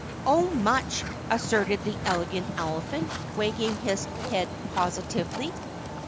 "Oh, much," asserted the Elegant Elephant, wagging his head positively.